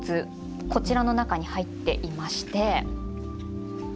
こちらの中に入っていましてこちら。